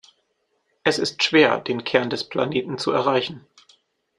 Es ist schwer, den Kern des Planeten zu erreichen.